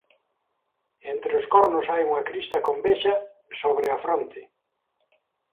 Entre os cornos hai unha crista convexa sobre a fronte.